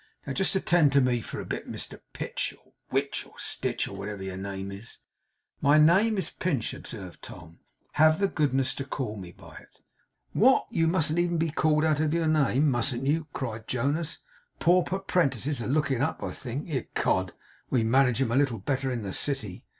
Now just attend to me for a bit, Mr Pitch, or Witch, or Stitch, or whatever your name is.' 'My name is Pinch,' observed Tom. 'Have the goodness to call me by it.' 'What! You mustn't even be called out of your name, mustn't you!' cried Jonas. 'Pauper' prentices are looking up, I think. Ecod, we manage 'em a little better in the city!